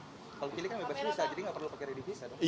kalau kilih kan bebas visa jadi enggak perlu pakai ready visa dong